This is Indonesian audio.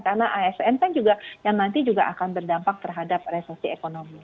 karena asn kan juga yang nanti juga akan berdampak terhadap resesi ekonomi